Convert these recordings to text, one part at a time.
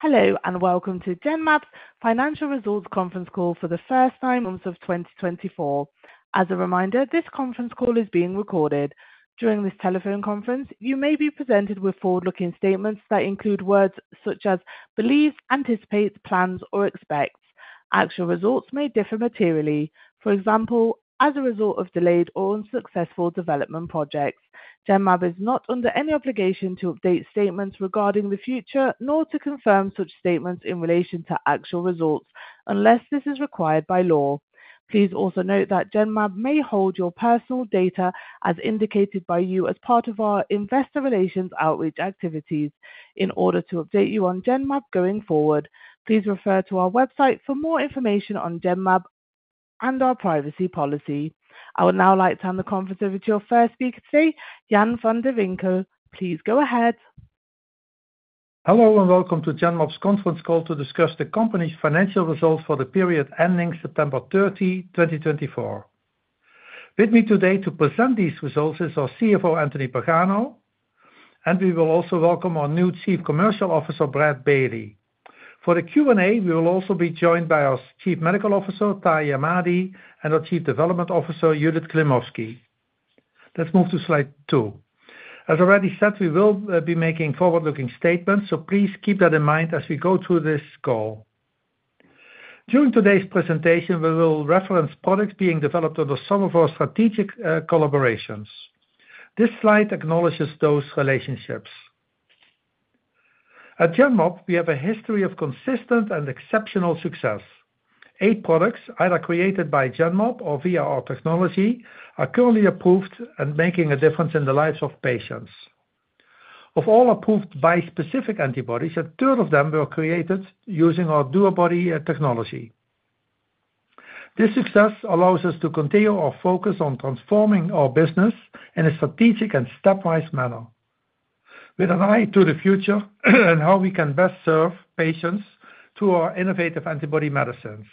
Hello and welcome to Genmab's financial results conference call for the first nine months of 2024. As a reminder, this conference call is being recorded. During this telephone conference you may be presented with forward-looking statements that include words such as believes, anticipates, plans or expects. Actual results may differ materially, for example as a result of delayed or unsuccessful development projects. Genmab is not under any obligation to update statements regarding the future nor to confirm such statements in relation to actual results unless this is required by law. Please also note that Genmab may hold your personal data as indicated by you as part of our investor relations outreach activities in order to update you on Genmab going forward. Please refer to our website for more information on Genmab and our privacy policy. I would now like to hand the conference over to your first speaker today, Jan van de Winkel. Please go ahead. Hello and welcome to Genmab's conference call to discuss the Company's financial results for the period ending September 30, 2024. With me today to present these results is our CFO Anthony Pagano, and we will also welcome our new Chief Commercial Officer Brad Bailey. For the Q&A, we will also be joined by our Chief Medical Officer Tahy Ahmadi and our Chief Development Officer Judith Klimovsky. Let's move to slide two. As already said, we will be making forward-looking statements so please keep that in mind as we go through this call. During today's presentation we will reference products being developed under some of our strategic collaborations. This slide acknowledges those relationships. At Genmab we have a history of consistent and exceptional success. Eight products either created by Genmab or our technology are currently approved and making a difference in the lives of patients. Of all approved bispecific antibodies, a third of them were created using our DuoBody technology. This success allows us to continue our focus on transforming our business in a strategic and stepwise manner with an eye to the future and how we can best serve patients through our innovative antibody medicines.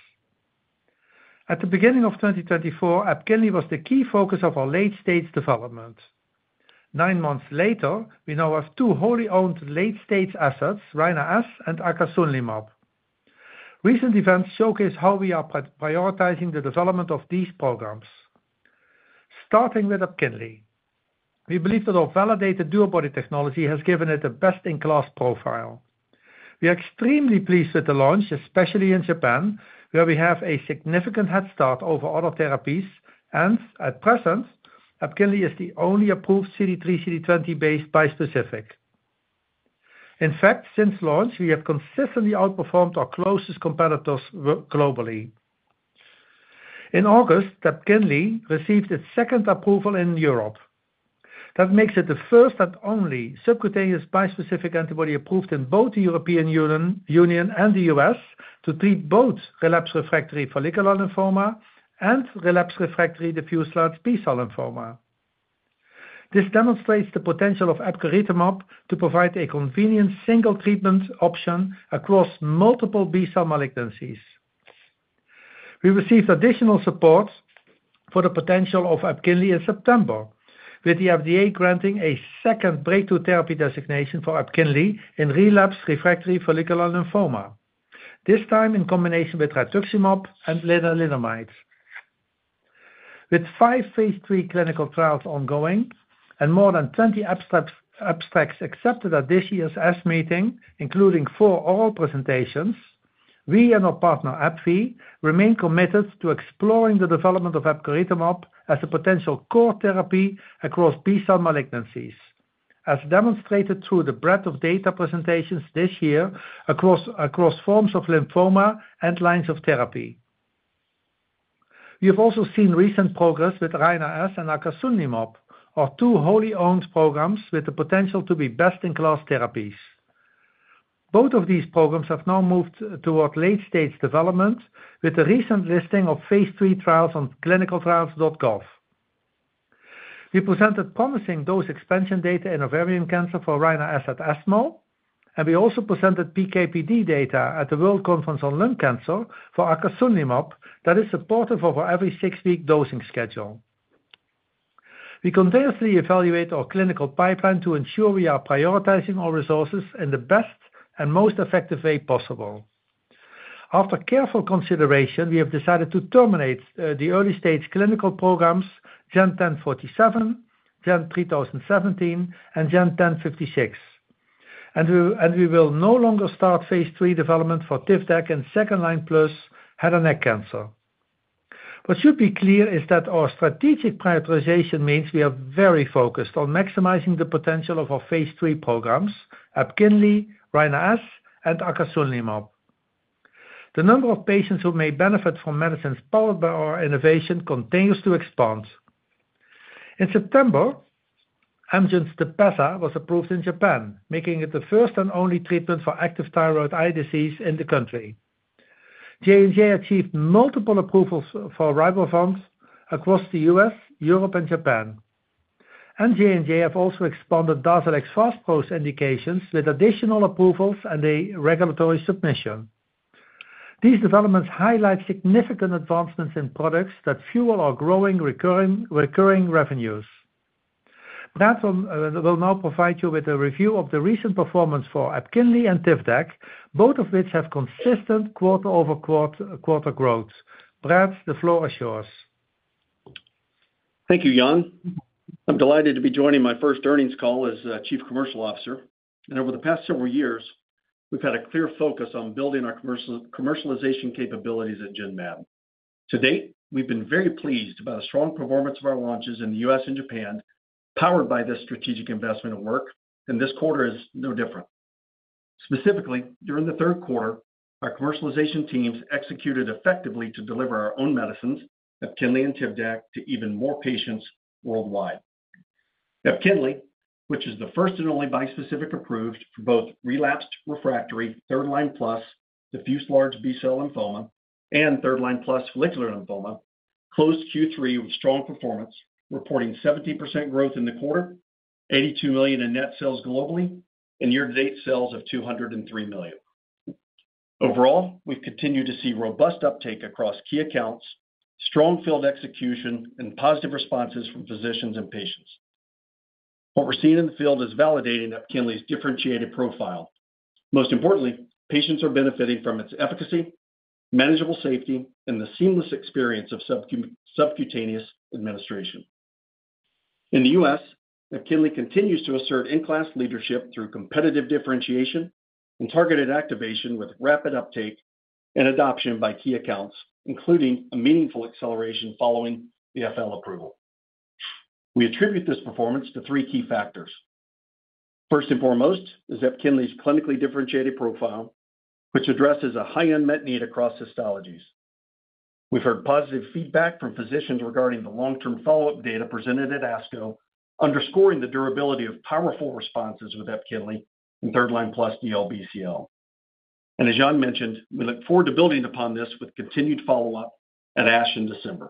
At the beginning of 2024, EPKINLY was the key focus of our late stage development. Nine months later we now have two wholly owned late stage assets, Rina-S and Acasunlimab. Recent events showcase how we are prioritizing the development of these programs. Starting with EPKINLY, we believe that our validated DuoBody technology has given it a best in class profile. We are extremely pleased with the launch, especially in Japan where we have a significant head start over other therapies and at present EPKINLY is the only approved CD3 CD20 based bispecific. In fact, since launch we have consistently outperformed our closest competitors globally. In August, EPKINLY received its second approval in Europe. That makes it the first and only subcutaneous bispecific antibody approved in both the European Union and the U.S. to treat both relapsed/refractory follicular lymphoma and relapsed refractory diffuse large B-cell lymphoma. This demonstrates the potential of epcoritamab to provide a convenient single treatment option across multiple B-cell malignancies. We received additional support for the potential of EPKINLY in September with the FDA granting a second breakthrough therapy designation for EPKINLY in relapsed refractory follicular lymphoma, this time in combination with rituximab and lenalidomide. With five phase III clinical trials ongoing and more than 20 abstracts accepted at this year's ESMO meeting, including four oral presentations, we and our partner AbbVie remain committed to exploring the development of epcoritamab as a potential core therapy across B-cell malignancies. As demonstrated through the breadth of data presentations this year across forms of lymphoma and lines of therapy. We have also seen recent progress with Rina-S and acasunlimab, our two wholly owned programs with the potential to be best-in-class therapies. Both of these programs have now moved toward late-stage development with the recent listing of phase III trials on ClinicalTrials.gov. We presented promising dose expansion data in ovarian cancer for Rina-S at ESMO, and we also presented PK/PD data at the World Conference on Lung Cancer for acasunlimab that is supportive of our every six-week dosing schedule. We continuously evaluate our clinical pipeline to ensure we are prioritizing our resources in the best and most effective way possible. After careful consideration, we have decided to terminate the early-stage clinical programs GEN1047, GEN3017 and GEN1056 and we will no longer start phase III development for Tivdak and second-line plus head and neck cancer. What should be clear is that our strategic prioritization means we are very focused on maximizing the potential of our phase III programs EPKINLY, Rina-S and Acasunlimab. The number of patients who may benefit from medicines powered by our innovation continues to expand. In September, Amgen Tepezza was approved in Japan, making it the first and only treatment for active thyroid eye disease in the country. J&J achieved multiple approvals for Rybrevant across the U.S., Europe and Japan. J&J have also expanded Darzalex Faspro's indications with additional approvals and a regulatory submission. These developments highlight significant advancements in products that fuel our growing recurring revenues. Brad will now provide you with a review of the recent performance for EPKINLY and Tivdak, both of which have consistent quarter-over-quarter growth. Brad, the floor is yours. Thank you Jan. I'm delighted to be joining my first earnings call as Chief Commercial Officer and over the past several years we've had a clear focus on building our commercialization capabilities at Genmab. To date we've been very pleased about the strong performance of our launches in the U.S. and Japan powered by this strategic investment of work and this quarter is no different. Specifically, during the third quarter our commercialization teams executed effectively to deliver our own medicines EPKINLY and Tivdak to even more patients worldwide. EPKINLY, which is the first and only bispecific approved for both relapsed/refractory, third line plus diffuse large B cell lymphoma and third line plus follicular lymphoma closed Q3 with strong performance reporting 17% growth in the quarter, 82 million in net sales globally and year to date sales of 203 million overall. We've continued to see robust uptake across key accounts, strong field execution and positive responses from physicians and patients. What we're seeing in the field is validating EPKINLY's differentiated profile. Most importantly, patients are benefiting from its efficacy, manageable safeTahy and the seamless experience of subcutaneous administration in the U.S. EPKINLY continues to assert in-class leadership through competitive differentiation and targeted activation with rapid uptake and adoption by key accounts including a meaningful acceleration following the FL approval. We attribute this performance to three key factors. First and foremost is EPKINLY's clinically differentiated profile which addresses a high unmet need across histologies. We've heard positive feedback from physicians regarding the long-term follow-up data presented at ASCO, underscoring the durabiliTahy of powerful responses with EPKINLY in third-line plus DLBCL. As Jan mentioned, we look forward to building upon this with continued follow-up at ASH in December.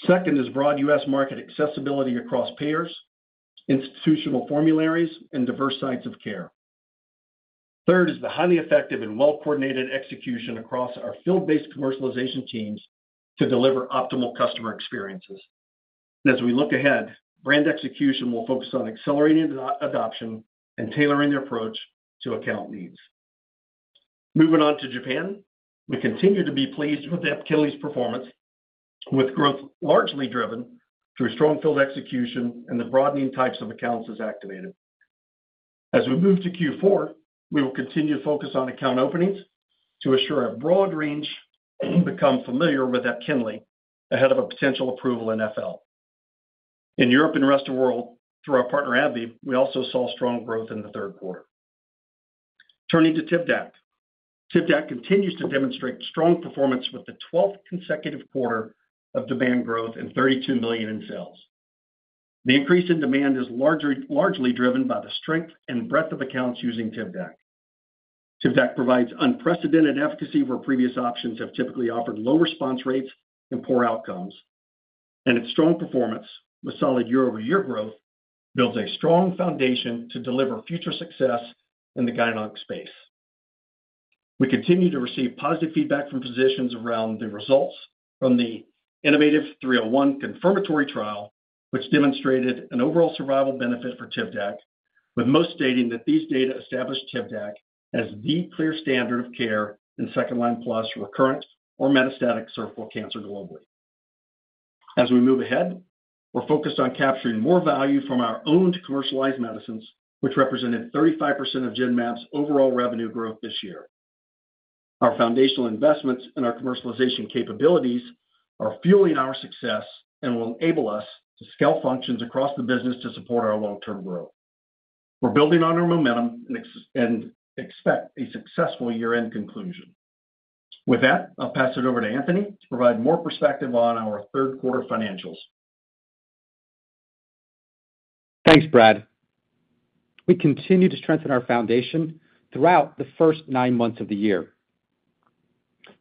Second is broad U.S. market accessibiliTahy across payers, institutional formularies and diverse sites of care. Third is the highly effective and well-coordinated execution across our field-based commercialization teams to deliver optimal customer experiences. As we look ahead, brand execution will focus on accelerating adoption and tailoring their approach to account needs. Moving on to Japan, we continue to be pleased with EPKINLY's performance with growth largely driven through strong field execution and the broadening Tahypes of accounts is activated as we move to Q4. We will continue to focus on account openings to assure a broad range become familiar with EPKINLY ahead of a potential approval in FL in Europe and rest of the world through our partner AbbVie. We also saw strong growth in the third quarter. Turning to Tivdak, Tivdak continues to demonstrate strong performance with the 12th consecutive quarter of demand growth and 32 million in sales. The increase in demand is largely driven by the strength and breadth of accounts using Tivdak. Tivdak provides unprecedented efficacy where previous options have typically offered low response rates and poor outcomes and its strong performance with solid year-over-year growth builds a strong foundation to deliver future success in the gynec space. We continue to receive positive feedback from physicians around the results from the innovative 301 confirmatory trial which demonstrated an overall survival benefit for Tivdak, with most stating that these data established Tivdak as the clear standard of care in second line plus recurrent or metastatic cervical cancer globally. As we move ahead, we're focused on capturing more value from our owned commercialized medicines which represented 35% of Genmab's overall revenue growth this year. Our foundational investments in our commercialization capabilities are fueling our success and will enable us to scale functions across the business to support our long term growth. We're building on our momentum and expect a successful year end conclusion. With that, I'll pass it over to Anthony to provide more perspective on our third quarter financials. Thanks Brad. We continue to strengthen our foundation throughout the first nine months of the year.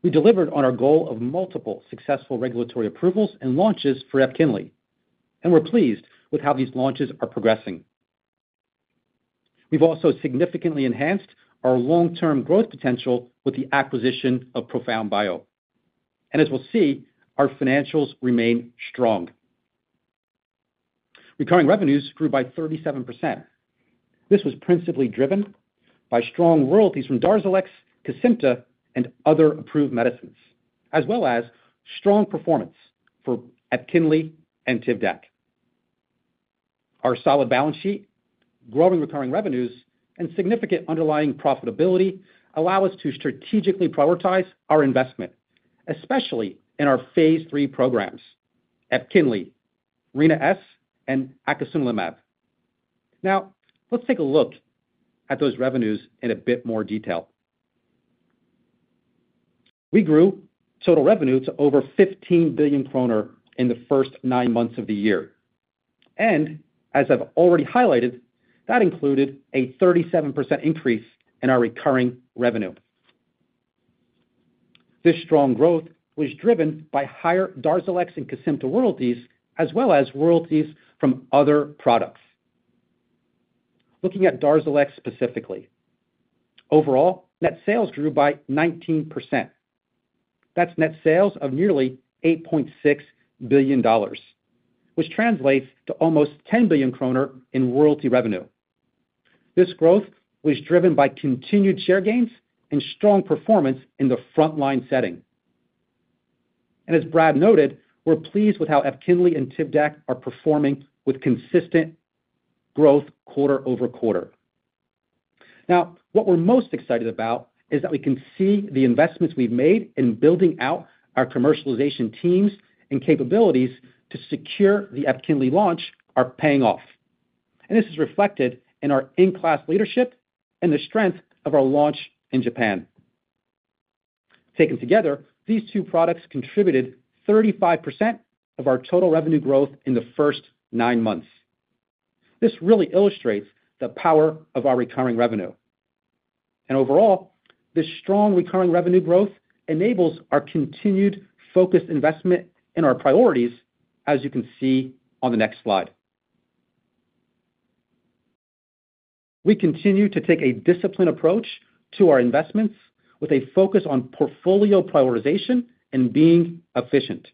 We delivered on our goal of multiple successful regulatory approvals and launches for EPKINLY and we're pleased with how these launches are progressing. We've also significantly enhanced our long-term growth potential with the acquisition of ProfoundBio and as we'll see, our financials remain. Strong. Recurring revenues grew by 37%. This was principally driven by strong royalties from Darzalex, Kesimpta and other approved medicines as well as strong performance at EPKINLY and Tivdak. Our solid balance sheet, growing recurring revenues and significant underlying profitability allow us to strategically prioritize our investment, especially in our phase III programs EPKINLY, Rina-S and Acasunlimab. Now let's take a look at those revenues in a bit more detail. We grew total revenue to over 15 billion kroner in the first nine months of the year, and as I've already highlighted, that included a 37% increase in our recurring revenue. This strong growth was driven by higher Darzalex and Kesimpta royalties as well as royalties from other products. Looking at Darzalex specifically, overall net sales grew by 19%. That's net sales of nearly $8.6 billion, which translates to almost 10 billion kroner in royalty revenue. This growth was driven by continued share gains and strong performance in the frontline setting. As Brad noted, we're pleased with how EPKINLY and Tivdak are performing with consistent growth quarter-over-quarter. Now what we're most excited about is that we can see the investments we've made in building out our commercialization teams and capabilities to secure the EPKINLY launch are paying off. This is reflected in our in-class leadership and the strength of our launch in Japan. Taken together, these two products contributed 35% of our total revenue growth in the first nine months. This really illustrates how the power of our recurring revenue and overall, this strong recurring revenue growth enables our continued focused investment in our priorities. As you can see on the next. Slide. We continue to take a disciplined approach to our investments with a focus on portfolio prioritization and being efficient.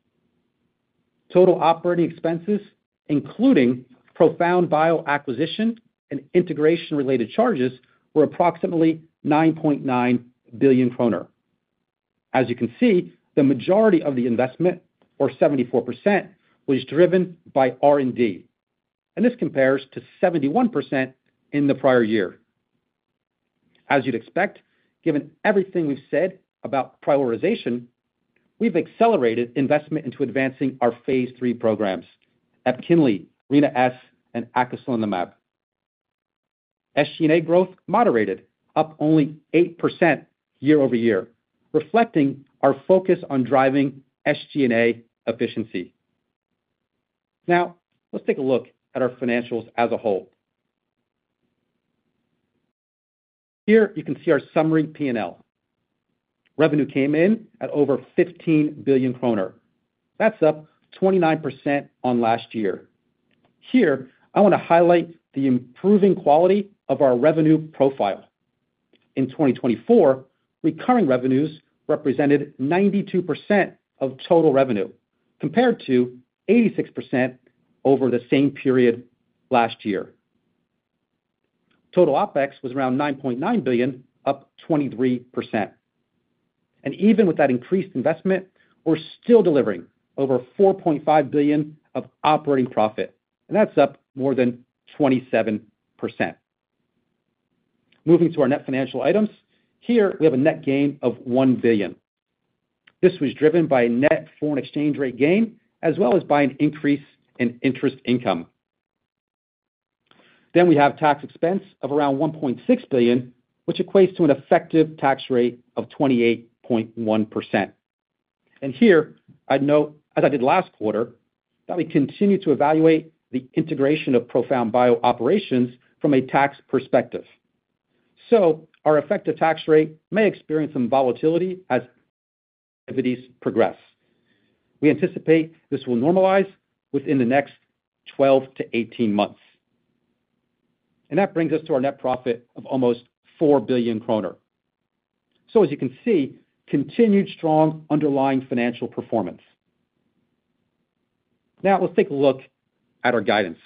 Total operating expenses, including ProfoundBio acquisition and integration related charges were approximately 9.9 billion kroner. As you can see, the majority of the investment, or 74%, was driven by R and D and this compares to 71% in the prior year. As you'd expect, given everything we've said about prioritization, we've accelerated investment into advancing our phase III programs. At EPKINLY, Rina-S and Acasunlimab, SG&A growth moderated up only 8% year-over-year, reflecting our focus on driving SG&A efficiency. Now let's take a look at our financials as a whole. Here you can see our summary. P&L revenue came in at over 15 billion kroner. That's up 29% on last year. Here I want to highlight the improving quality of our revenue profile. In 2024, recurring revenues represented 92% of total revenue compared to 86% over the same period last year. Total OpEx was around 9.9 billion, up 23%, and even with that increased investment, we're still delivering over 4.5 billion of operating profit and that's up more than 27%. Moving to our net financial items, here we have a net gain of 1 billion. This was driven by net foreign exchange rate gain as well as by an increase in interest income, then we have tax expense of around 1.6 billion, which equates to an effective tax rate of 28.1%, and here I'd note, as I did last quarter, that we continue to evaluate the integration of ProfoundBio operations from a tax perspective, so our effective tax rate may experience some volatility as activities progress. We anticipate this will normalize within the next 12-18 months. And that brings us to our net profit of almost 4 billion kroner. So, as you can see, continued strong underlying financial performance. Now let's take a look at our guidance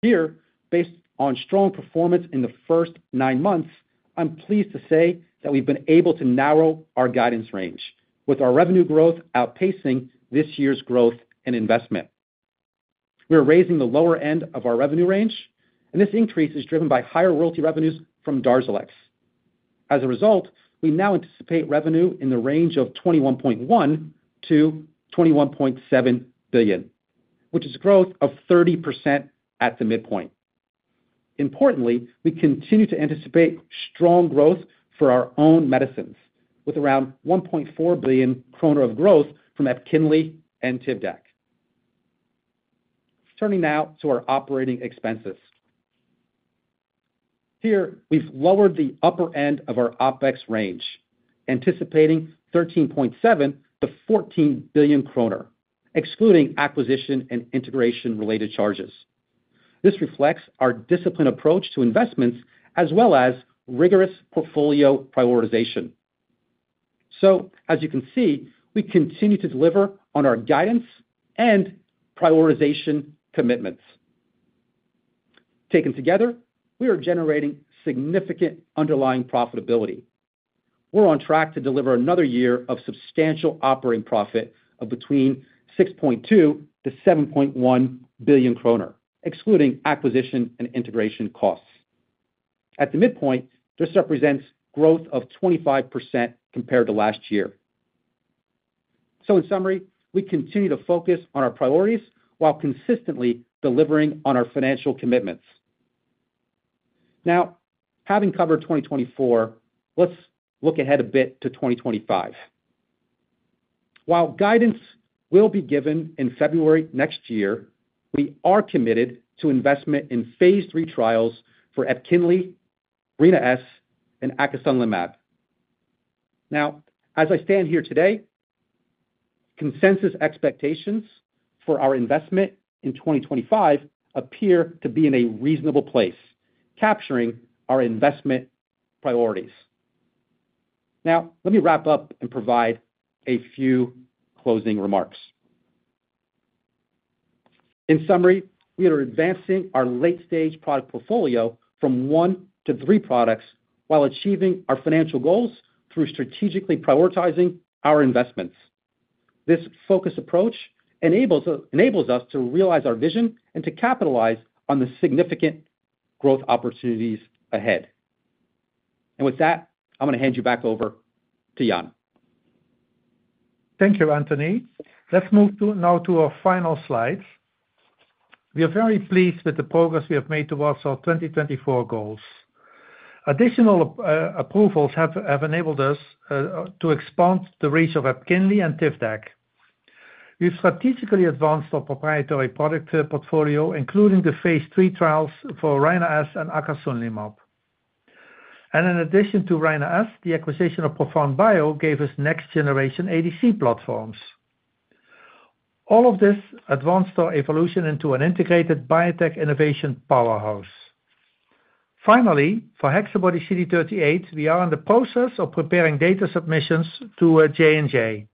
here. Based on strong performance in the first nine months, I'm pleased to say that we've been able to narrow our guidance range. With our revenue growth outpacing this year's growth and investment, we are raising the lower end of our revenue range and this increase is driven by higher royalTahy revenues from DARZALEX. As a result, we now anticipate revenue in the range of 21.1 billion-21.7 billion, which is growth of 30% at the midpoint. Importantly, we continue to anticipate strong growth for our own medicines with around 1.4 billion kroner of growth from EPKINLY and Tivdak. Turning now to our operating expenses here, we've lowered the upper end of our OpEx range, anticipating 13.7-14 billion kroner excluding acquisition and integration related charges. This reflects our disciplined approach to investments as well as rigorous portfolio prioritization. So, as you can see, we continue to deliver on our guidance and prioritization commitments. Taken together, we are generating significant underlying profitabiliTahy. We're on track to deliver another year of substantial operating profitabiliTahy of between 6.2-7.1 billion kroner, excluding acquisition and integration costs. At the midpoint, this represents growth of 25% compared to last year. So, in summary, we continue to focus on our priorities while consistently delivering on our financial commitments. Now, having covered 2024, let's look ahead a bit to 2025. While guidance will be given in February next year, we are committed to investment in phase III trials for EPKINLY, Rina-S and Acasunlimab. Now, as I stand here today, consensus expectations for our investment in 2025 appear to be in a reasonable place. Capturing our investment priorities. Now let me wrap up and provide a few closing remarks. In summary, we are advancing our late stage product portfolio from one to three products while achieving our financial goals through strategically prioritizing our investments. This focused approach enables us to realize our vision and to capitalize on the significant growth opportunities ahead. And with that, I'm going to hand you back over to Jan. Thank you, Anthony. Let's move now to our final slide. We are very pleased with the progress we have made towards our 2024 goals. Additional approvals have enabled us to expand the range of EPKINLY and Tivdak. We've strategically advanced our proprietary product portfolio including the phase three trials for Rina-S and Acasunlimab. And in addition to Rina-S, the acquisition of ProfoundBio gave us next generation ADC platforms. All of this advanced our evolution into an integrated biotech innovation powerhouse. Finally, for HexaBody-CD38, we are in the process of preparing data submissions to J&J.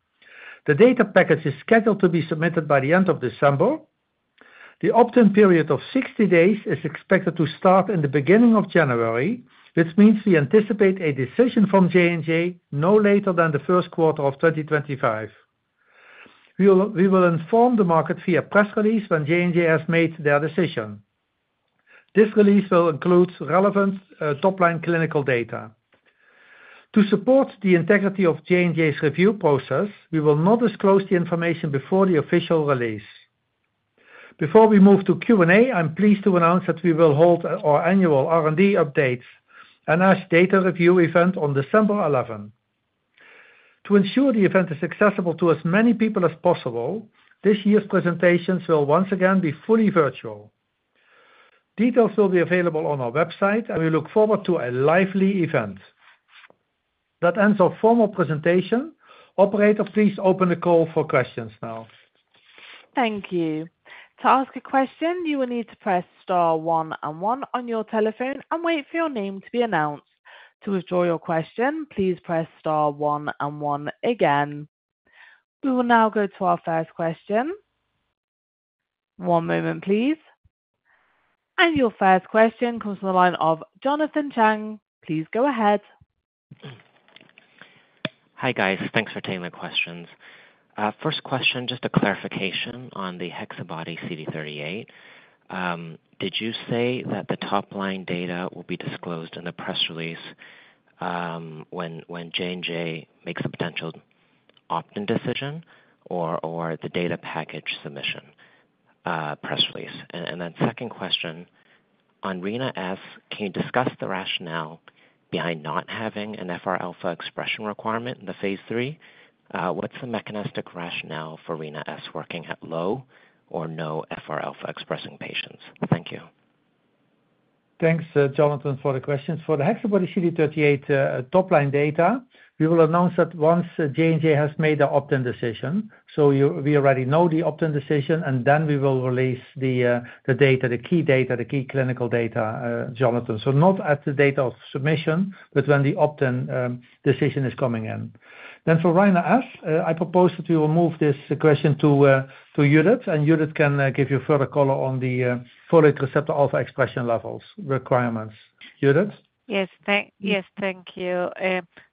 The data package is scheduled to be submitted by the end of December. The opt in period of 60 days is expected to start in the beginning of January, which means we anticipate a decision from J&J no later than the first quarter of 2025. We will inform the market via press release when J&J has made their decision. This release will include relevant top-line clinical data to support the integrity of J&J's review process. We will not disclose the information before the official release. Before we move to Q&A, I am pleased to announce that we will hold our annual R&D Updates and ASH Data Review Event on December 11th. To ensure the event is accessible to as many people as possible, this year's presentations will once again be fully virtual. Details will be available on our website and we look forward to a lively event that ends our formal presentation. Operator, please open the call for questions now. Thank you. To ask a question, you will need to press Star one and one on your telephone and wait for your name to be announced. To withdraw your question, please press Star one and one again. We will now go to our first question. One moment please. And your first question comes from the line of Jonathan Chang. Please go ahead. Hi guys. Thanks for taking the questions. First question, just a clarification on the HexaBody-CD38. Did you say that the top-line data will be disclosed in the press release when J&J makes the potential opt-in decision or the data package submission press release? And then second question on Rina-S, can you discuss the rationale behind not having an FR alpha expression requirement in the phase III? What's the mechanistic rationale for Rina-S working at low or no FR alpha expressing patients? Thank you. Thanks, Jonathan. For the questions for the HexaBody-CD38 top line data. We will announce that once J&J has made the opt-in decision, so we already know the opt-in decision and then we will release the data. The key data. The key clinical data, Jonathan. So not at the date of submission but when the opt-in decision is coming in then for Rina-S I propose that we will move this question to Judith and Judith can give you further color on the folate receptor alpha expression levels requirements. Yes, thank you.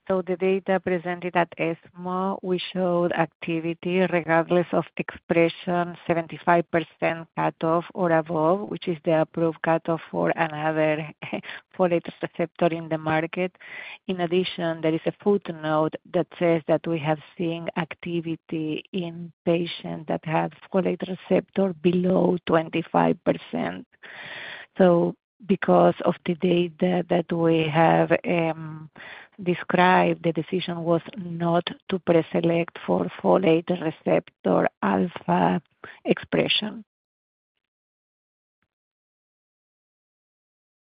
So the data presented at ESMO, we showed activity regardless of expression, 75% cutoff or above, which is the approved cutoff for another folate receptor in the market. In addition, there is a footnote note that says that we have seen activity in patients that have folate receptor below 25%. So because of the data that we have described, the decision was not to preselect for folate receptor alpha expression.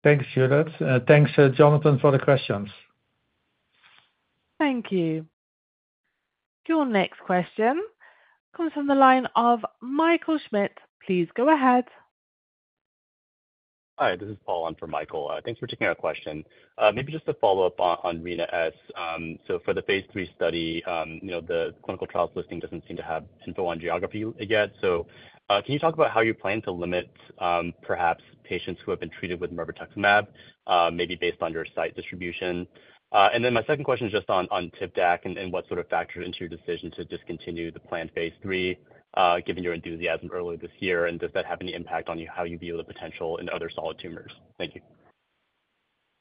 Thanks Judith. Thanks Jonathan for the questions. Thank you. Your next question comes from the line of Michael Schmidt, please go ahead. Hi, this is Paul on for Michael. Thanks for taking our question. Maybe just a follow up on Rina-S. So for the phase three study. You know the clinical trials listing doesn't seem to have info on geography yet. So, can you talk about how you? Plan to limit perhaps patients who have been treated with Mirvetuximab, maybe based on your site distribution, and then my second question is just. On Tivdak and what sort of factored. Into your decision to discontinue the plant? phase III, given your enthusiasm earlier this. Yeah, and does that have any impact? On how you view the potential in other solid tumors? Thank you.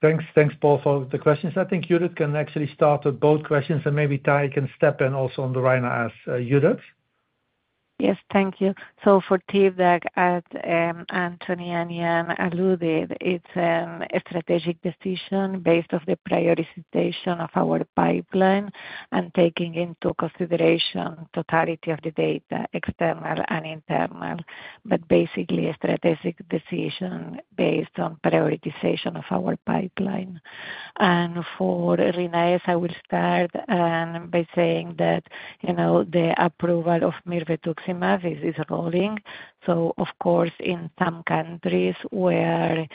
Thanks, Paul, for the questions. I think Judith can actually start with both questions and maybe Tahy can step in also on the Rina. As Judith. Yes, thank you. So for Tivdak, as Anthony and Jan alluded, it's a strategic decision based on the prioritization of our pipeline and taking into consideration totality of the data, external and internal, but basically a strategic decision based on prioritization of our pipeline. And for Rina-S, I will start by saying that the approval of mirvetuximab is rolling. So of course in some countries where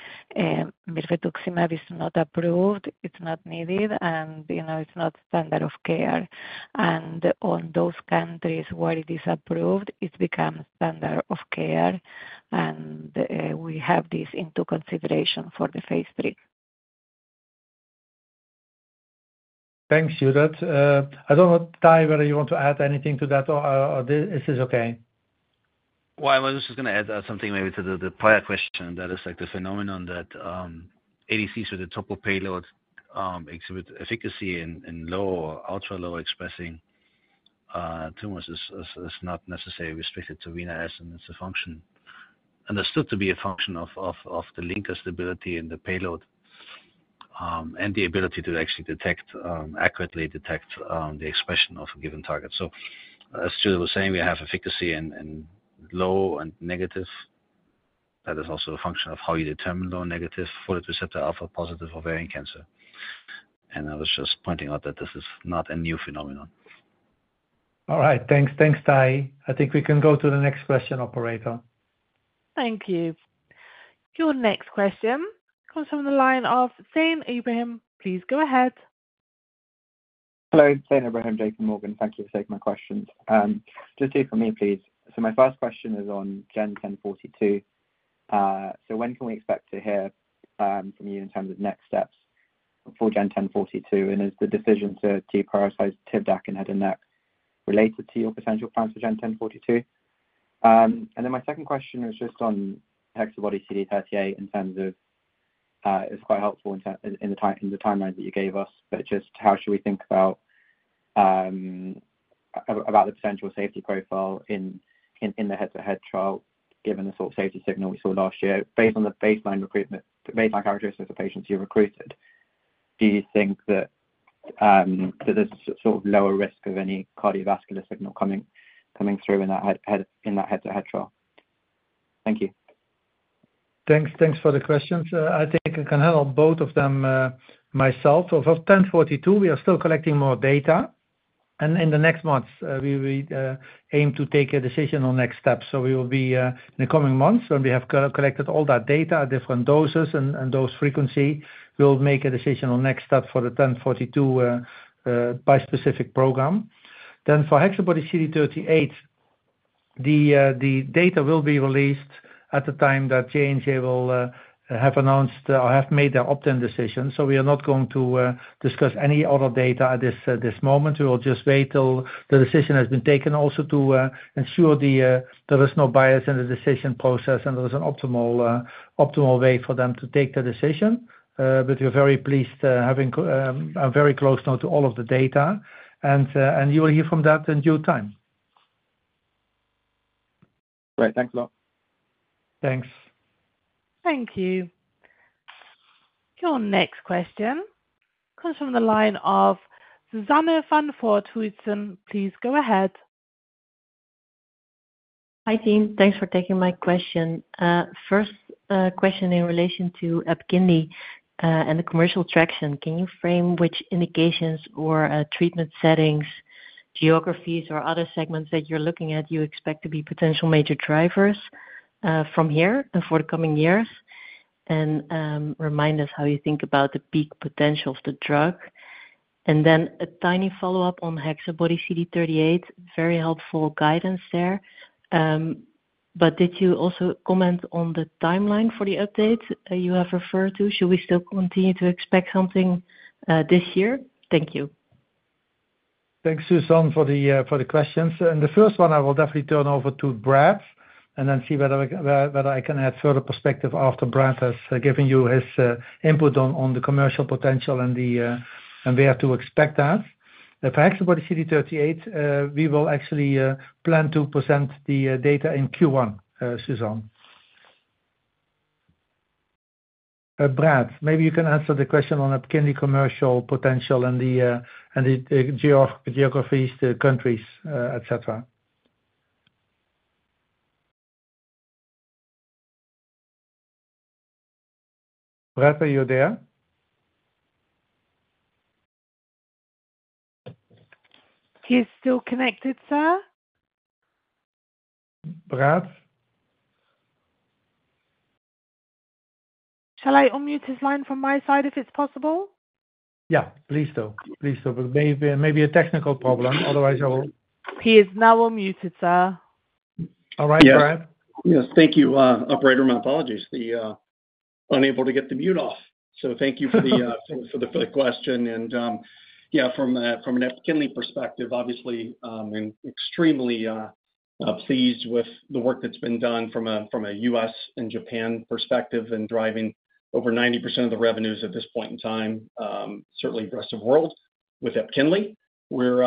mirvetuximab is not approved, it's not needed and it's not standard of care. And in those countries where it is approved it becomes standard of care. We have this into consideration for the phase III. Thanks, Judith. I don't know, Tahy, whether you want to add anything to that or this is. Okay, well, I was just going to. Add something, maybe, to the prior question that is like the phenomenon that ADCs with a topo payload exhibit efficacy in low or ultra-low expressing tumors is not necessarily restricted to Rina-S's and it's a function understood to be a function of the linker stabiliTahy and the payload and the abiliTahy to actually detect, accurately detect, the expression of a given target. So as Judith was saying, we have efficacy in low and negative that is also a function of how you determine low negative folate receptor alpha-positive ovarian cancer. And I was just pointing out that this is not a new phenomenon. All right, thanks. Thanks Tahy. I think we can go to the next question. Operator. Thank you. Your next question comes from the line of Zain Ibrahim, please go ahead. Hello Zain Ibrahim, JPMorgan. Thank you for taking my questions. Just here for me please. So my first question is on GEN1042. So when can we expect to hear from you in terms of next steps for GEN1042? And is the decision to prioritize Tivdak and Head and Neck related to your potential plans for GEN1042? And then my second question was just on HexaBody-CD38 in terms of it’s quite helpful in the timeline that you gave us, but just how should we think about the potential safeTahy profile in the head to head trial given the sort of safeTahy signal we saw last year based on the baseline recruitment patients you recruited, do you think that there’s sort of lower risk of any cardiovascular signal coming through in that head to head trial? Thank you. Thanks for the question. I think I can handle both of them myself. We are still collecting more data and in the next months we aim to take a decision on next steps. So we will be in the coming months when we have collected all that data at different doses and dose frequency will make a decision on next step for the 1042 bispecific program. Then for HexaBody-CD38 the data will be released at the time that J&J will have announced or have made their opt in decision. So we are not going to discuss any other data at this moment. We will just wait till the decision has been taken also to ensure there is no bias in the decision process and there is an optimal way for them to take the decision. But we are very pleased having very close now to all of the data and you will hear from that in due time. Great, thanks a lot. Thanks. Thank you. Your next question comes from the line of Suzanne van Voorthuizen. Please go ahead. Hi team, thanks for taking my question. First question in relation to EPKINLY and the commercial traction. Can you frame which indications or treatment settings, geographies or other segments that you're looking at? You expect to be potential major drivers from here and for the coming years and remind us how you think about the peak potential of the drug and then a tiny follow up on HexaBody-CD38. Very helpful guidance there. But did you also comment on the timeline for the update you have referred to? Should we still continue to expect something this year? Thank you. Thanks, Suzanne, for the questions. And the first one I will definitely turn over to Brad and then see whether I can add further perspective after Brad has given you his input on the commercial potential and we have to expect that for example, for the CD38 we will actually plan to present the data in Q1. Suzanne, Brad, maybe you can answer the question on EPKINLY commercial potential and the geographies, the countries, etc. Are you there? He's still connected, sir. Brad. Shall I unmute his line from my side if it's possible? Yeah, please do. But maybe a technical problem, otherwise I will. He is now unmuted, sir. All right, Brad. Yes, thank you, operator. My apologies, unable to get the mute off. So thank you for the question. And yeah, from an EPKINLY perspective, obviously extremely pleased with the work that's been done from a U.S. and Japan perspective and driving over 90% of the revenues at this point in time. Certainly the rest of world with EPKINLY, we're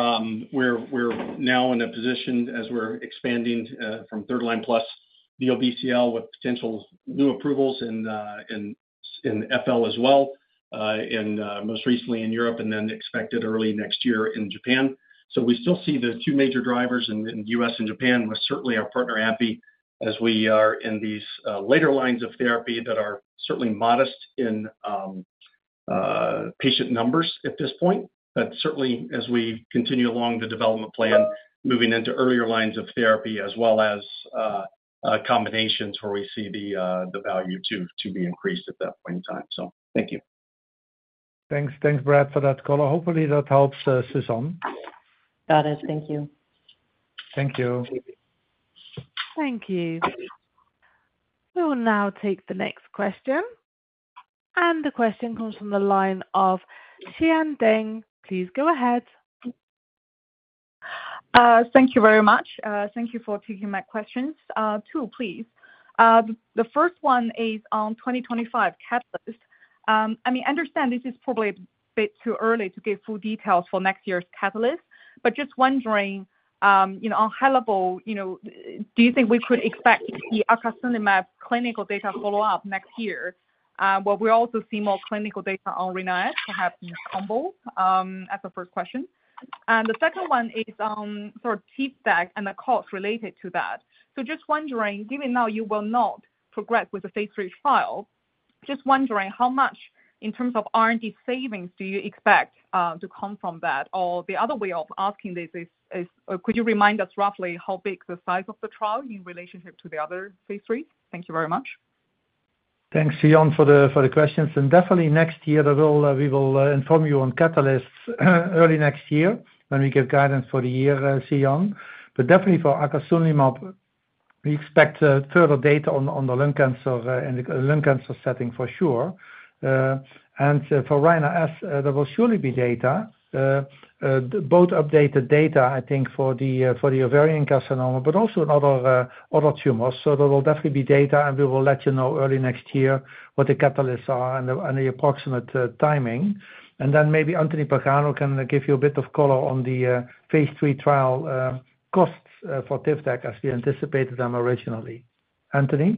now in a position as we're expanding from third line plus DLBCL with potential new approvals in FL as well and most recently in Europe and then expected early next year in Japan. So we still see the two major drivers in the U.S. and Japan with certainly our partner AbbVie as we are in these later lines of therapy that are certainly modest in patient numbers at this point, but certainly as we continue along the development plan moving into earlier lines of therapy as well as combinations where we see the value to be increased at that point in time. So thank you. Thanks. Thanks Brad for that caller. Hopefully that helps. Suzanne. Got it. Thank you. Thank you. Thank you. We will now take the next question, and the question comes from the line of Xian Deng. Please go ahead. Thank you very much. Thank you for taking my questions. Two, please. The first one is on 2025 catalysts. I mean, I understand this is probably a bit too early to give full details for next year's catalysts, but just wondering on high level, do you think we could expect the Acasunlimab clinical data follow-up next year? Well, will we also see more clinical data on Rina-S perhaps as a first question and the second one is sort of the stack and the cost related to that. So just wondering, given now you will not progress with the phase three trial, just wondering how much in terms of R and D savings do you expect to come from that? Or the other way of asking this is could you remind us roughly how big the size of the trial in relationship to the other phase III? Thank you very much. Thanks Xian for the questions, and definitely next year we will inform you on catalysts early next year when we give guidance for the year. Xian, but definitely for Acasunlimab we expect further data on the lung cancer and the lung cancer setting for sure, and for Rina-S there will surely be data, both updated data I think for the ovarian carcinoma but also in other tumors. There will definitely be data and we will let you know early next year what the catalysts are and the approximate timing, and then maybe Anthony Pagano can give you a bit of color on the phase III trial costs for Tivdak as we anticipated them originally. Anthony,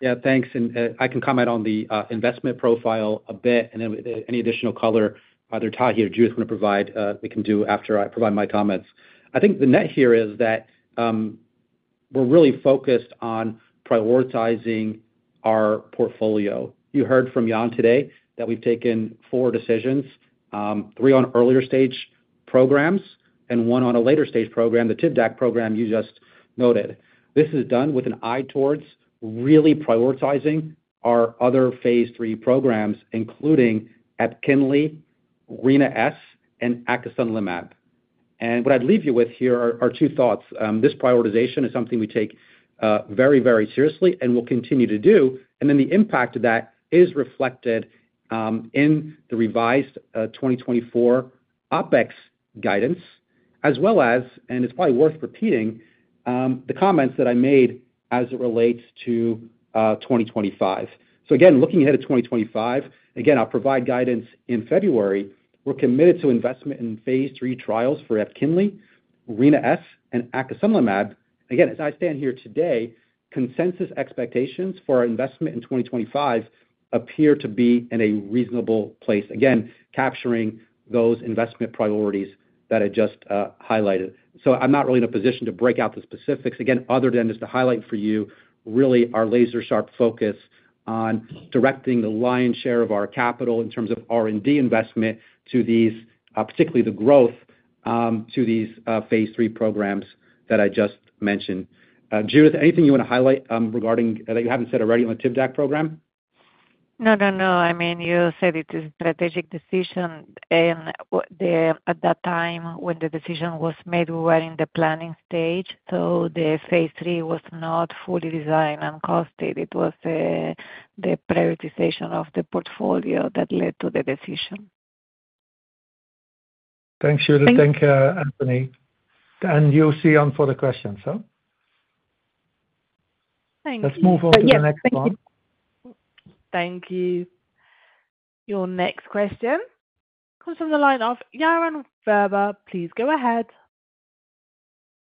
yeah, thanks. And I can comment on the investment profile a bit and then any additional color either Tahamtan or Judith want to provide they can do after I provide my comments. I think the net here is that we're really focused on prioritizing our portfolio. You heard from Jan today that we've taken four decisions, three on earlier stage programs and one on a later stage program, the Tivdak program. You see, this is done with an eye towards really prioritizing our other phase three programs, including EPKINLY, Rina-S and Acasunlimab. And what I'd leave you with here are two thoughts. This prioritization is something we take very, very seriously and will continue to do. Then the impact of that is reflected in the revised 2024 OpEx guidance as well as, it's probably worth repeating the comments that I made as it relates to 2025. So again, looking ahead at 2025, again I'll provide guidance in February. We're committed to investment in phase III trials for EPKINLY, Rina-S and acasunlimab. Again, as I stand here today, consensus expectations for our investment in 2025 appear to be in a reasonable place, again capturing those investment priorities that I just highlighted. So I'm not really in a position to break out the specifics again, other than just to highlight for you really, our laser-sharp focus on directing the lion's share of our capital in terms of R&D investment to these, particularly the growth to these phase III programs that I just mentioned. Judith, anything you want to highlight regarding that you haven't said already on the Tivdak program? No, no, no. I mean you said it is a strategic decision and at that time when the decision was made we were in the planning stage. So the phase III was not fully designed and costed. It was the prioritization of the portfolio that led to the decision. Thanks, Julie. Thank you, Anthony. And we'll now open for the questions. Thank you. Let's move on to the next slide. Thank you. Your next question comes from the line of Yaron Werber. Please go ahead.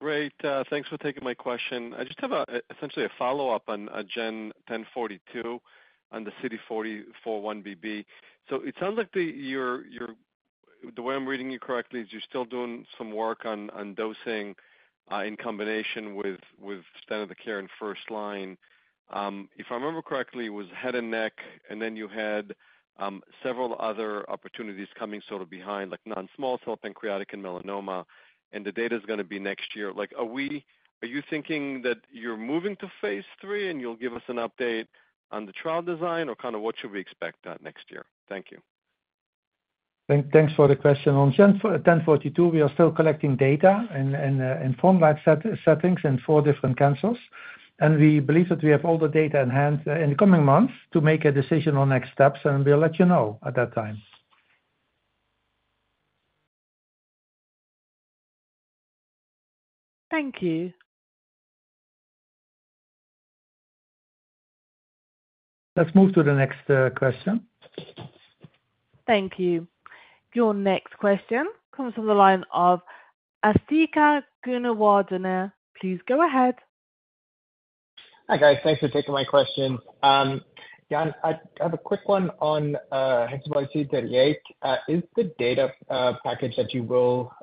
Great. Thanks for taking my question. I just have essentially a follow-up on GEN1042 on the CD40 4-1BB. So it sounds like the way I'm reading you correctly is you're still doing some work on dosing in combination with standard of care in first line. If I remember correctly it was head and neck and then you had several other opportunities coming sort of behind like non-small cell pancreatic and melanoma and the data is going to be next year. Like are you thinking that you're moving to phase III and you'll give us an update on the trial design or kind of what should we expect next year? Thank you. Thanks for the question on 1042. We are still collecting data in frontline settings in four different indications and we believe that we have all the data in hand in the coming months to make a decision on next steps and we'll let you know at that time. Thank you. Let's move to the next question. Thank you. Your next question comes from the line of Asthika Goonewardene. Please go ahead. Hi guys, thanks for taking my question. Jan, I have a quick one on. HexaBody-CD38 is the final data package you will.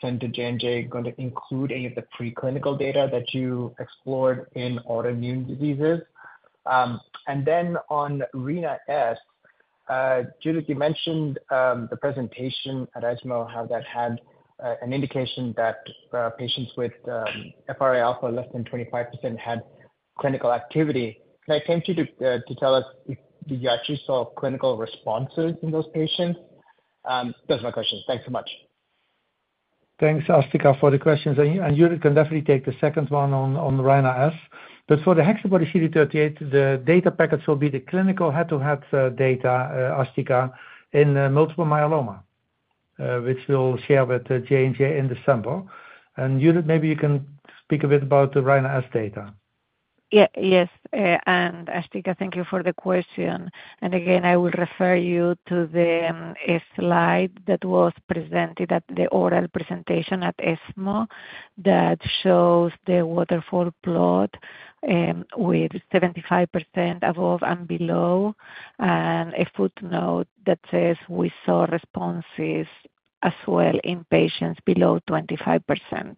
Send to J&J going to include any. Of the preclinical data that you explored in autoimmune diseases and then on Rina-S. Judith, you mentioned the presentation at ESMO how that had an indication that patients with FR alpha less than 25% had clinical activiTahy. Can I come to you to tell? Us if you actually saw clinical responses in those patients? Those are my questions. Thanks so much. Thanks, Asthika, for the questions, and you can definitely take the second one on Rina-S, but for the HexaBody-CD38, the data packets will be the clinical head-to-head data, Asthika, in multiple myeloma, which we'll share with J&J in December, and Judith, maybe you can speak a bit about the Rina-S data. Yes, Asthika, thank you for the question. And again, I will refer you to the slide that was presented at the oral presentation at ESMO that shows the waterfall plot with 75% above and below and a footnote that says we saw responses as well in patients below 25%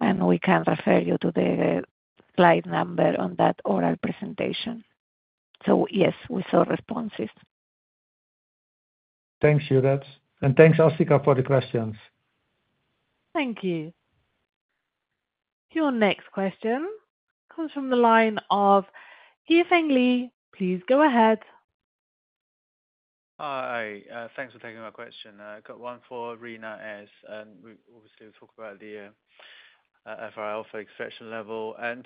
and we can refer you to the slide number on that oral presentation. So yes, we saw responses. Thanks Judith and thanks Asthika for the questions. Thank you. Your next question comes from the line of Yifeng Liu. Please go ahead. Hi, thanks for taking my question. I've got one for Rina-S and obviously we talk about the FR alpha expression level and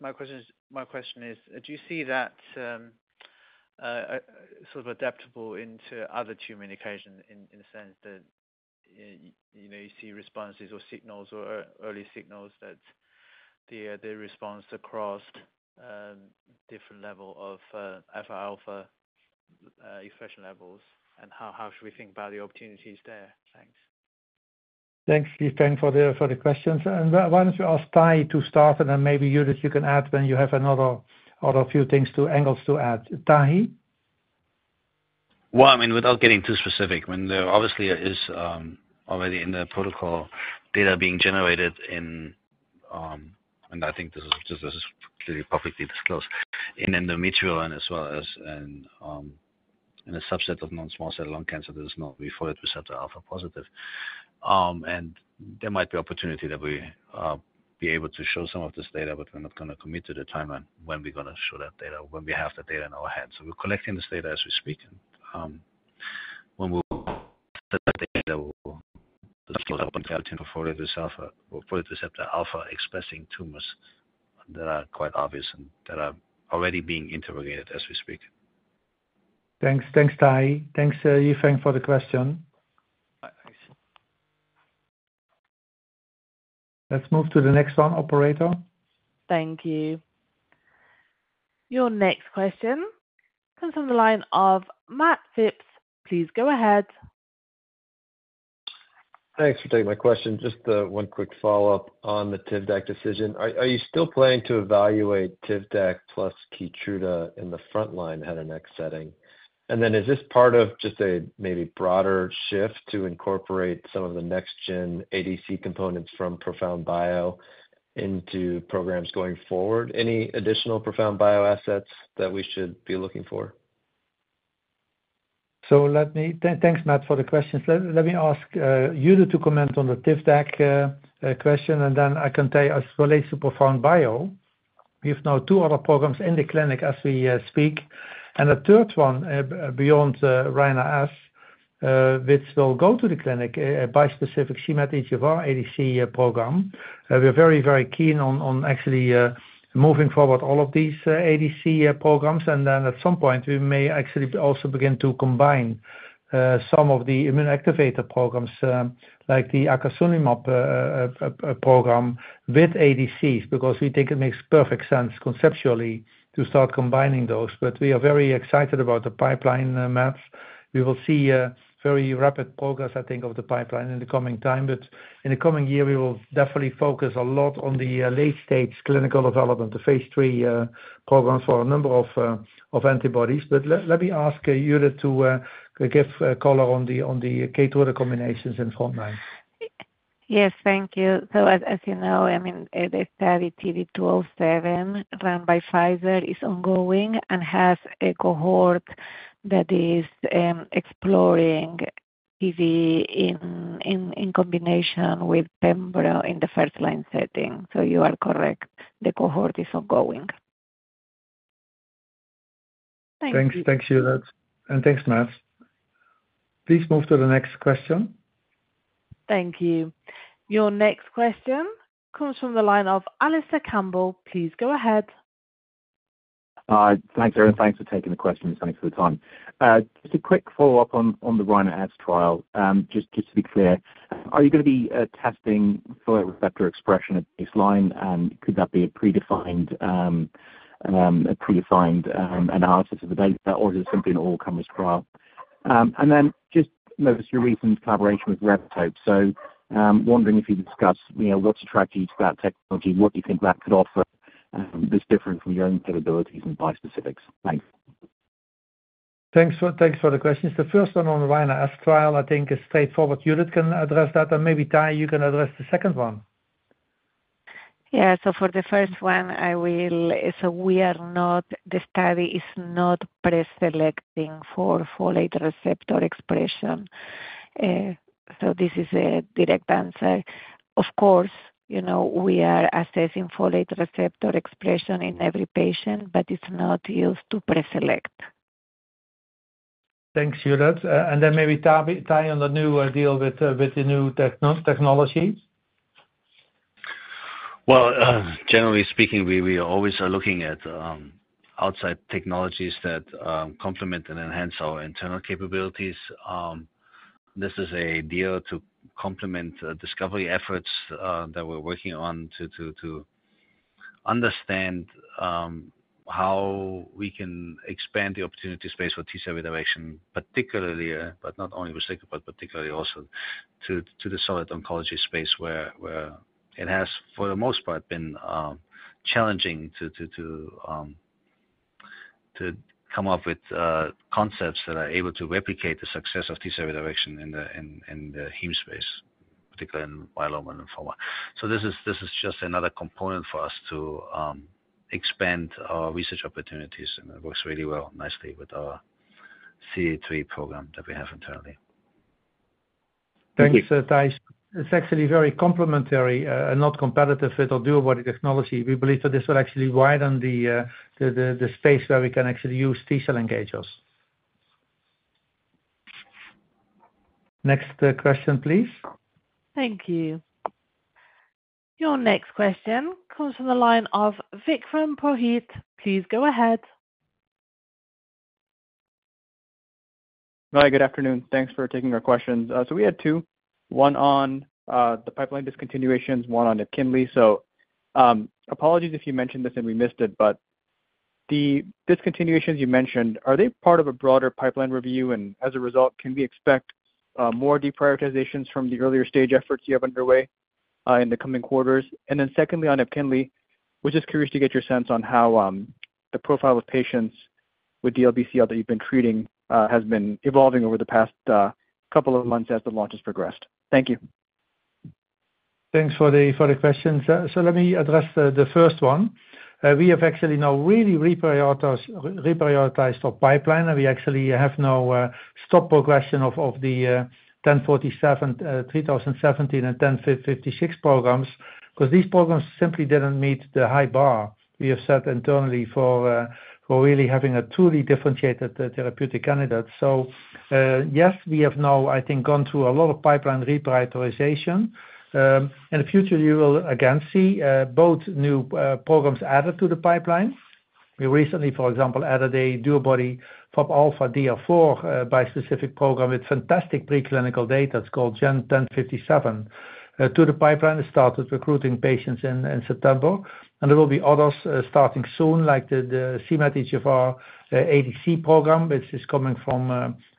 my question is do you see that sort of adaptable into other tumor indications. In the sense that you know you. See responses or early signals that the response across different levels of FR alpha expression levels and how should. We think about the opportunities there? Thanks. Thanks Yifeng for the questions, and why don't you ask Tahy to start, and then maybe Judith you can add when you have another few things or angles to add. Tahy, well, I mean without getting too. Specifically, when there obviously is already in the protocol data being generated in and I think this is clearly publicly disclosed in endometrial and as well as in a subset of non-small cell lung cancer that is folate receptor alpha positive and there might be opportunity that we be able to show some of this data but we're not going to commit to the timeline when we're going to show that data when we have the data in our head. So we're collecting this data as we speak when we. Folate receptor alpha expressing tumors that are quite obvious and that are already being interrogated as we speak. Thanks. Thanks, Tahy. Thanks, Yifeng, for the question. Let's move to the next one. Operator, thank you. Your next question comes from the line of Matt Phipps. Please go ahead. Thanks for taking my question. Just one quick follow up on the Tivdak decision. Are you still planning to evaluate Tivdak plus Keytruda in the frontline head and neck setting and then is this part of just a maybe broader shift to incorporate some of the next gen ADC components from ProfoundBio into programs going forward? Any additional ProfoundBio assets that we should be looking for. So let me thank Matt for the questions. Let me ask you to comment on the Tivdak question and then I can tell as well as ProfoundBio. We have now two other programs in the clinic as we speak and a third one beyond Rina-S which will go to the clinic. Bispecific, c-MET, EGFR ADC program. We are very, very keen on actually moving forward all of these ADC programs. And then at some point we may actually also begin to combine some of the immune activator programs like the Acasunlimab program with ADCs because we think it makes perfect sense conceptually to start combining those. But we are very excited about the pipeline, Matt. We will see very rapid progress, I think, of the pipeline in the coming time. But in the coming year we will definitely focus a lot on the late stage clinical development, the phase III program for a number of antibodies. But let me ask Judith to give color on the CD20-directed combinations in frontline. Yes, thank you, so as you know, tVe study TV207 run by Pfizer is ongoing and has a cohort that is exploring in combination with Pembro in the first line setting, so you are correct, the cohort is ongoing. Thank you. Thanks. Thanks, Judith, and thanks, Matt. Please move to the next question. Thank you. Your next question comes from the line of Alistair Campbell. Please go ahead. Thanks Erin, thanks for taking the questions. Thanks for the time. Just a quick follow up on the Rina-S trial. Just to be clear. Are you going to be testing folate receptor expression at baseline and could that? Be. A predefined analysis of the data or is it simply an all comers trial? And then just noticed your recent collaboration with Revitope. So wondering if you discuss what's attracted to that technology, what you think that could offer that's different from your own capabilities and bispecifics. Thanks. Thanks for the questions. The first one on the YNRS trial I think is straightforward. Judith can address that. And maybe Tahy, you can address the second one. Yeah, so for the first one I will. So we are not. The study is not preselecting for folate receptor expression. So this is a direct answer. Of course. You know, we are assessing folate receptor expression in every patient, but it's not used to preselect. Thanks, Judith. And then maybe Tahy on the new deal with the new technologies. Generally speaking, we always are looking at outside technologies that complement and enhance our internal capabilities. This is a deal to complement discovery efforts that we're working on to understand how we can expand the opportuniTahy space for T cell redirection particularly, but not only with CD3, but particularly also to the solid oncology space where it has for the most part been challenging to come up with concepts that are able to replicate the success of T cell redirection in the heme space, particularly in myeloma and lymphoma. So this is just another component for us to expand our research opportunities and it works really well nicely with our CD3 program that we have internally. Thanks, Taj. It's actually very complementary and not competitive with DuoBody technology. We believe that this will actually widen the space where we can actually use T-cell engagers. Next question please. Thank you. Your next question comes from the line of Vikram Purohit. Please go ahead. Hi, good afternoon. Thanks for taking our questions. So we had two: one on the pipeline discontinuations, one on EPKINLY. So apologies if you mentioned this and we missed it, but the discontinuations you mentioned, are they part of a broader pipeline review? And as a result, can we expect? More deprioritizations from the earlier stage efforts you have underway in the coming quarters? And then secondly on EPKINLY was just curious to get your sense on how the profile of patients with DLBCL that you've been treating has been evolving over the past couple of months as the launch has progressed. Thank you. Thanks for the questions. So let me address the first one. We have actually now really reprioritized our pipeline and we actually have now stop progression of the GEN1047, GEN3017 and GEN1056 programs because these programs simply didn't meet the high bar we have set internally for really having a truly differentiated therapeutic candidate. So yes, we have now I think gone through a lot of pipeline reprioritization. In the future you will again see both new programs added to the pipeline. We recently for example added a DuoBody FAP alpha DR5 bispecific program with fantastic preclinical data. It's called GEN1057 to the pipeline. Started recruiting patients in September and there will be others starting soon like the c-MET EGFR ADC program which is coming from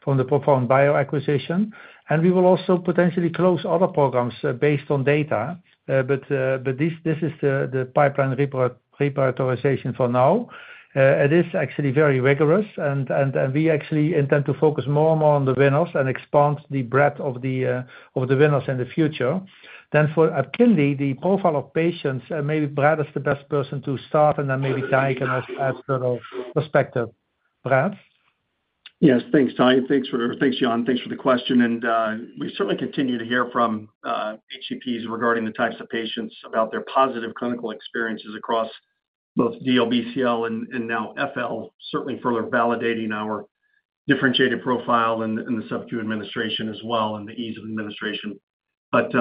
the ProfoundBio acquisition and we will also potentially close other programs based on data. But this is the pipeline report reprioritization for now. It is actually very rigorous, and we actually intend to focus more and more on the winners and expand the breadth of the winners in the future. Then for EPKINLY, the profile of patients, maybe Brad is the best person to start and then maybe Tahy as sort of perspective. Brad. Yes. Thanks Tahy. Thanks Jan, thanks for the question. And we certainly continue to hear from HCPs regarding the types of patients about their positive clinical experiences across both DLBCL and now FL. Certainly further validating our differentiated profile in the sub-Q administration as well and the ease of administration. But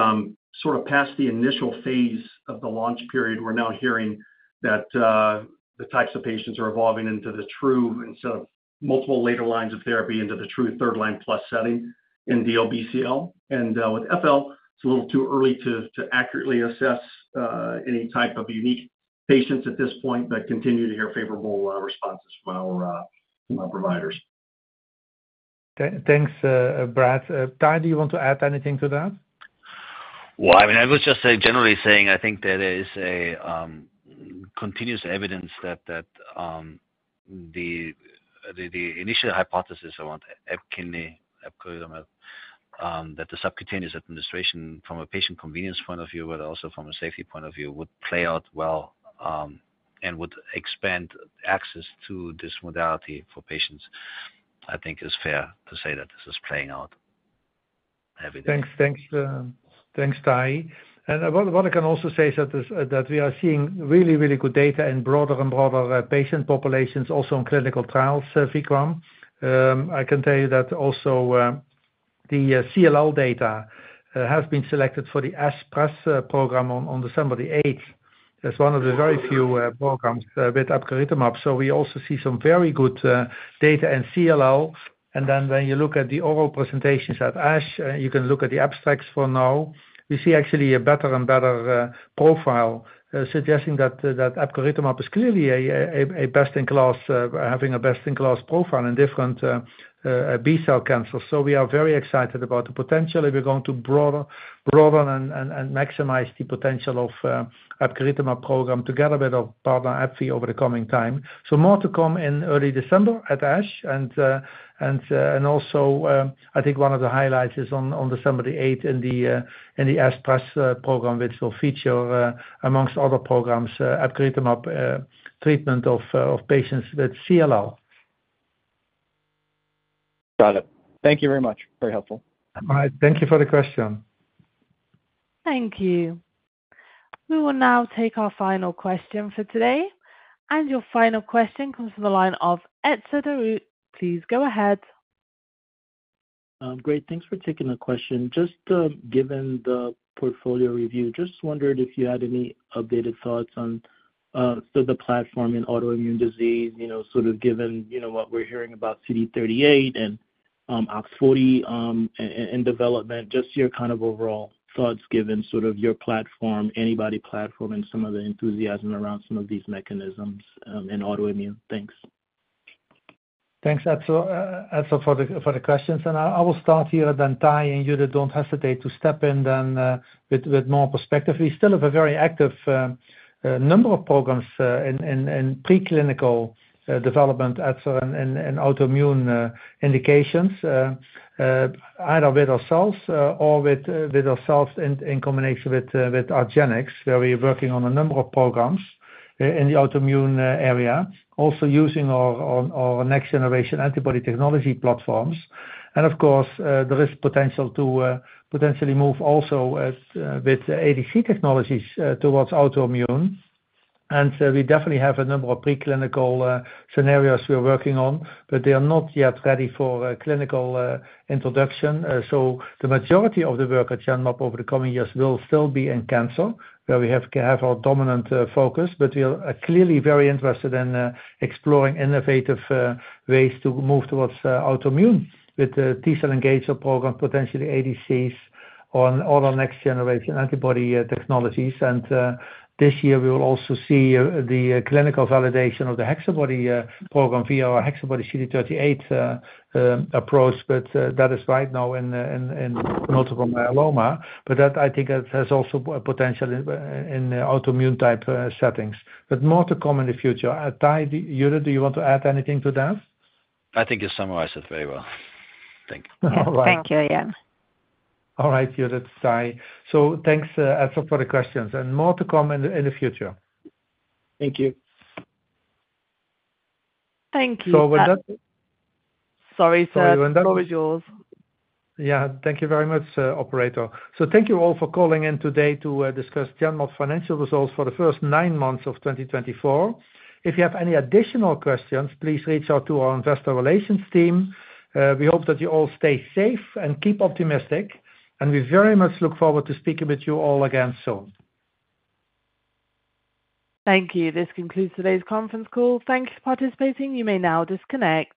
sort of past the initial phase of the launch period, we're now hearing that the types of patients are evolving into the true instead of multiple later lines of therapy into the true third line plus setting in DLBCL. And with FL. It's a little too early to accurately assess any Tahype of unique patients at this point, but continue to hear favorable responses from our providers. Thanks, Brad. Dai, do you want to add anything to that? I mean I was just generally saying I think there is a continuous evidence that the initial hypothesis around EPKINLY epcoritamab that the subcutaneous administration from a patient convenience point of view but also from a safety point of view would play out well and would expand access to this modality for patients. I think it's fair to say that this is playing out. Thanks. Thanks Tahy. And what I can also say is that we are seeing really, really good data in broader and broader patient populations also in clinical trials. Vikram. I can tell you that also the CLL data has been selected for the ASH program on December 8th. That's one of the very few programs with epcoritamab. So we also see some very good data in CLL. And then when you look at the oral presentations at ASH, you can look at the abstracts. For now we see actually a better and better profile suggesting that epcoritamab is clearly a best in class having a best in class profile in different B cell cancers. So we are very excited about the potential if we go into broader, broaden and maximize the potential of epcoritamab program together with our partner AbbVie over the coming time. More to come in early December at ASH. Also, I think one of the highlights is on December 8th in the ASH Press program, which will feature, among other programs, epcoritamab treatment of patients with CLL. Got it. Thank you very much. Very helpful. All right, thank you for the question. Thank you. We will now take our final question for today. And your final question comes from the line of Etzer Darout. Please go ahead. Great. Thanks for taking the question. Just given the portfolio review. Just wondered if you had any updates? Thoughts on the platform in autoimmune disease? You know, sort of given, you know. What we're hearing about CD38 and OX40 in development. Just your kind of overall thoughts given sort of your platform, anybody's platform and. Some of the enthusiasm around some of these mechanisms in autoimmune. Thanks. Thanks Etzer for the questions, and I will start here. Then Tahy and Judith, don't hesitate to step in then with more perspective. We still have a very active number of programs in preclinical development and autoimmune indications, either with ourselves or with ourselves in combination with Argenx where we are working on a number of programs in the autoimmune area, also using our next generation antibody technology platforms. Of course there is potential to potentially move also with ADC technologies towards autoimmune. We definitely have a number of preclinical scenarios we are working on, but they are not yet ready for clinical introduction. The majoriTahy of the work at Genmab over the coming years will still be in cancer where we have our dominant focus. We are clearly very interested in exploring innovative ways to move towards autoimmune with the T-Cell Engagement program. Potentially ADCs on all our next generation antibody technologies, and this year we will also see the clinical validation of the HexaBody program via our HexaBody-CD38 approach. That is right now in multiple myeloma, but that I think has also potential in autoimmune type settings. More to come in the future. Tahy, Judy, do you want to add anything to that? I think you summarized it very well. Thank you. Thank you again. All right, that's Tahy. So thanks, Asthika, for the questions and more to come in the future. Thank you. Thank you. Sorry, the floor is yours. Yeah, thank you very much, operator. So thank you all for calling in today to discuss Genmab's financial results for the first nine months of 2024. If you have any additional questions, please reach out to our investor relations team. We hope that you all stay safe and keep optimistic and we very much look forward to speaking with you all again soon. Thank you. This concludes today's conference call. Thank you for participating. You may now disconnect.